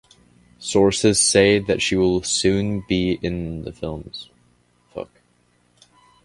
Sources say that she will soon be seen in the films.